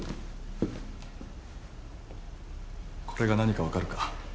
これが何か分かるか？